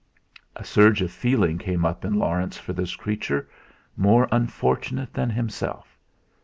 A surge of feeling came up in Laurence for this creature, more unfortunate than himself.